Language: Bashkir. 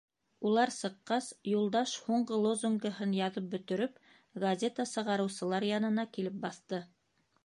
Улар сыҡҡас, Юлдаш, һуңғы лозунгыһын яҙып бөтөрөп, газета сығарыусылар янына килеп баҫты.